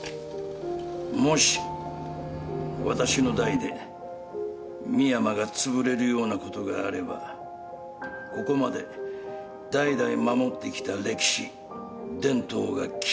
もし私の代で深山がつぶれるようなことがあればここまで代々守ってきた歴史伝統が消える。